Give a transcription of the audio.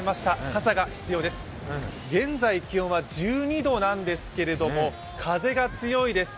傘が必要です、現在気温は１２度なんですけれども風が強いです。